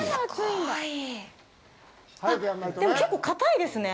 でも、結構硬いですね！